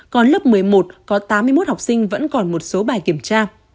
còn lớp một mươi một có tám mươi một học sinh vẫn còn một số bài kiểm tra